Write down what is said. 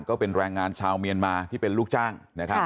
ก็เป็นแรงงานชาวเมียนมาที่เป็นลูกจ้างนะครับ